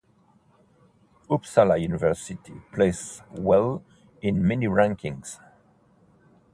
Uppsala University places well in many rankings.